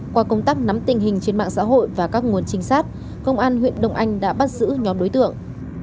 qua công tác nắm tình hình trên mạng xã hội và các nguồn trinh sát công an huyện đông anh đã bắt giữ nhóm đối tượng